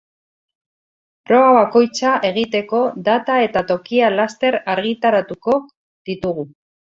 Proba bakoitza egiteko data eta tokia laster argitaratuko ditugu.